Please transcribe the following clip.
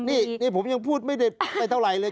นี่ผมยังพูดไม่เจ็บไปเท่าไรละ